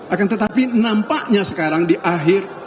akan tetapi nampaknya sekarang di akhir